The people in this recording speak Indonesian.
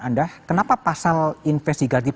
anda kenapa pasal investigatif